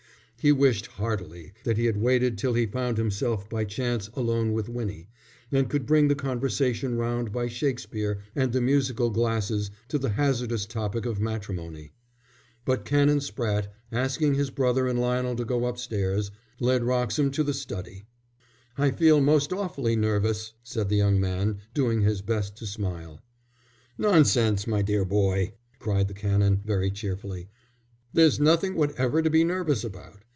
He wished heartily that he had waited till he found himself by chance alone with Winnie, and could bring the conversation round by Shakespeare and the Musical Glasses to the hazardous topic of matrimony. But Canon Spratte, asking his brother and Lionel to go upstairs, led Wroxham to the study. "I feel most awfully nervous," said the young man, doing his best to smile. "Nonsense, my dear boy," cried the Canon, very cheerily. "There's nothing whatever to be nervous about.